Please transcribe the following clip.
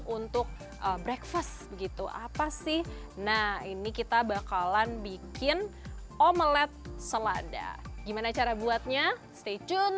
untuk breakfast begitu apa sih nah ini kita bakalan bikin omelette selada gimana cara buatnya stay tune